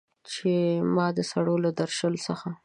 چې ما د سړو له درشل څخه